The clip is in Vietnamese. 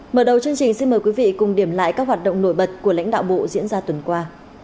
mở đầu chương trình xin mời quý vị cùng điểm lại các hoạt động nổi bật của lãnh đạo bộ diễn ra tuần qua